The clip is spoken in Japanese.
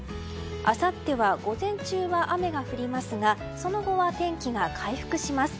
あさっては午前中は雨が降りますがその後は、天気が回復します。